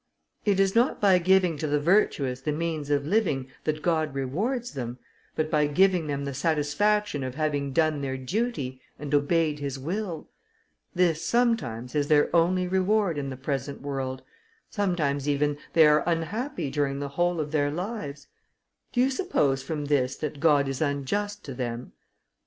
"Essay on Man." "It is not by giving to the virtuous the means of living, that God rewards them, but by giving them the satisfaction of having done their duty, and obeyed his will. This, sometimes, is their only reward in the present world; sometimes, even, they are unhappy during the whole of their lives: do you suppose from this that God is unjust to them?"